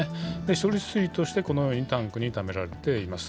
処理水としてこのようにタンクにためられています。